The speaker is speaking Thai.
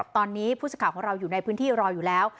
ตอนนี้ผู้สื่อข่าวของเราอยู่ในพื้นที่รออยู่แล้ว